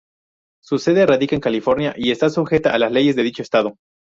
Su sede radica en California y está sujeta a las leyes de dicho Estado.